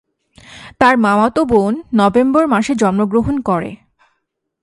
তার মামাতো বোন নভেম্বর মাসে জন্মগ্রহণ করে।